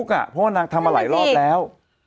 ก็คุกอ่ะเพราะว่านางทำมาหลายรอบแล้ว